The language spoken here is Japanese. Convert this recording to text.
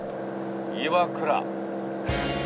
岩倉。